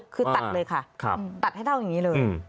คือตัดเลยค่ะตัดให้เท่าอย่างนี้เลย